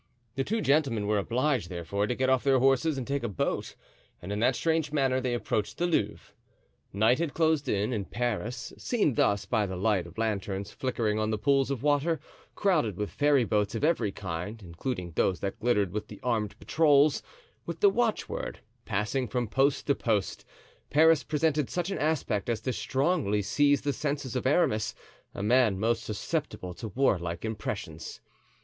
The two gentlemen were obliged, therefore, to get off their horses and take a boat; and in that strange manner they approached the Louvre. Night had closed in, and Paris, seen thus, by the light of lanterns flickering on the pools of water, crowded with ferry boats of every kind, including those that glittered with the armed patrols, with the watchword, passing from post to post—Paris presented such an aspect as to strongly seize the senses of Aramis, a man most susceptible to warlike impressions.